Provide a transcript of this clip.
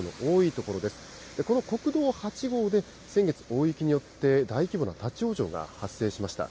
この国道８号で先月、大雪によって大規模な立往生が発生しました。